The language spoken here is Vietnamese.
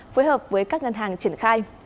phối hợp với các ngân hàng triển khai